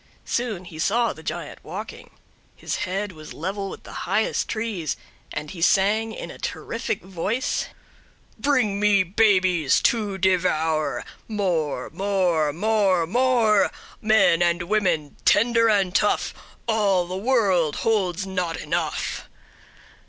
Soon he saw the giant walking. His head was level with the highest trees, and he sang in a terrific voice: "Bring me babies to devour; More—more—more—more— Men and women, tender and tough; All the world holds not enough."